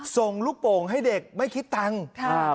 ส่งลูกโป่งให้เด็กไม่คิดตังค์